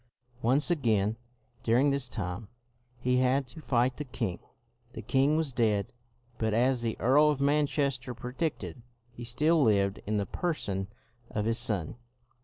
Once again during this time, he had to fight the king. The king was dead, but as CROMWELL 253 the Earl of Manchester predicted, he still lived in the person of his son.